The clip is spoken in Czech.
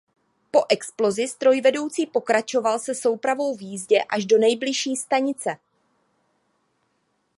Po explozi strojvedoucí pokračoval se soupravou v jízdě až do nejbližší stanice.